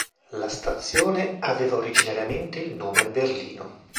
La stazione aveva originariamente il nome "Berlino".